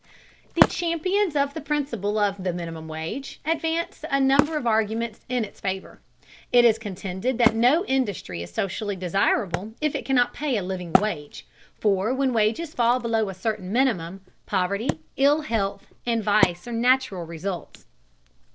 The champions of the principle of the minimum wage advance a number of arguments in its favor. It is contended that no industry is socially desirable if it cannot pay a living wage, for when wages fall below a certain minimum, poverty, ill health, and vice are natural results.